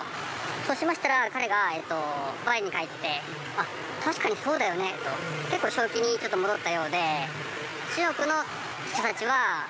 そうしましたら彼が我に返って「あっ確かにそうだよね」と結構正気にちょっと戻ったようで。